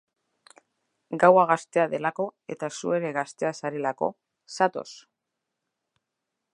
Gaua gaztea delako, eta zu ere gaztea zarelako, zatoz!